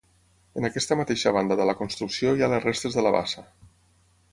En aquesta mateixa banda de la construcció hi ha les restes de la bassa.